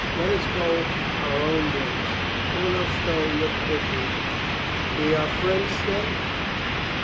Let us go our own ways." Colonel Stow looked up quickly. "We are friends still?"